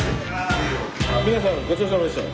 皆さんごちそうさまでした。